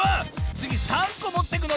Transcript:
つぎ３こもってくの？